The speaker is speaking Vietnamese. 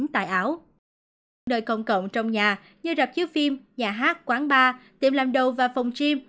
trong đời công cộng trong nhà như rạp chứa phim nhà hát quán bar tiệm làm đầu và phòng gym